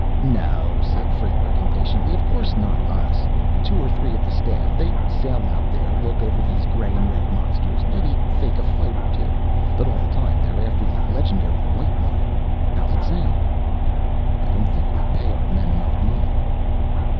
"No," said Frayberg impatiently. "Of course not us. Two or three of the staff. They'd sail out there, look over these gray and red monsters, maybe fake a fight or two, but all the time they're after the legendary white one. How's it sound?" "I don't think we pay our men enough money."